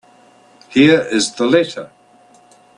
Here is the letter.